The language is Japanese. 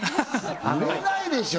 売れないでしょ